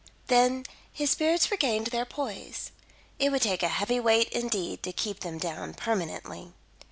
Then his spirits regained their poise. It would take a heavy weight indeed to keep them down permanently.